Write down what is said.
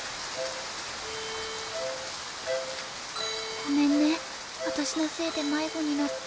ごめんね私のせいで迷子になって。